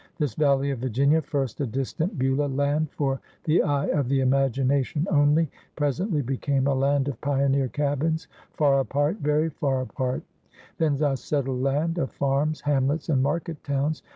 This Valley of Virginia, first a distant Beulah land for the eye of the imagination only, presently became a land of pioneer cabins, far apart — ^very far apart — then a settled land, of farms, hamlets, and market towns.